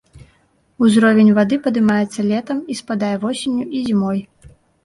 Узровень вады падымаецца летам, і спадае восенню і зімой.